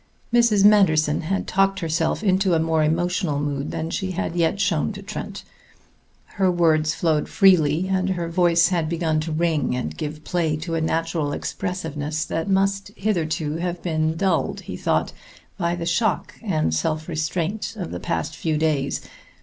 Mrs. Manderson had talked herself into a more emotional mood than she had yet shown to Trent. Her words flowed freely, and her voice had begun to ring and give play to a natural expressiveness that must hitherto have been dulled, he thought, by the shock and self restraint of the past few days.